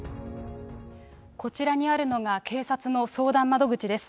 こちらにあるのが、警察の相談窓口です。